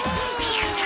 やった！